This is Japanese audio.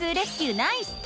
ナイス！